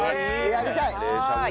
やりたい！